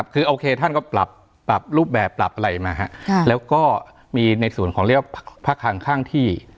คือโอเคท่านก็ปรับรูปแบบปรับอะไรมาแล้วก็มีในส่วนของเรียกว่าภาคห่างข้างที่